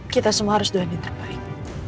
kita semua harus doa yang terbaik